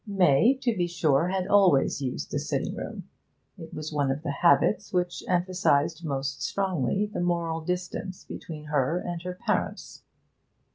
May, to be sure, had always used the sitting room. It was one of the habits which emphasised most strongly the moral distance between her and her parents.